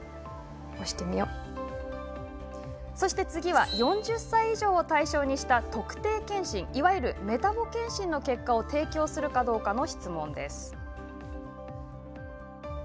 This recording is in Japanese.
そして次は４０歳以上を対象にした特定健診いわゆるメタボ健診の結果を提供するかどうかの質問です。